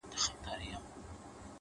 نه لري هيڅ ننگ.!